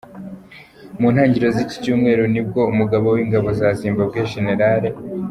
Mu ntangiriro z’iki cyumweru nibwo umugaba w’ingabo za Zimbabwe Gen.